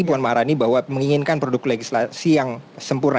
puan maharani bahwa menginginkan produk legislasi yang sempurna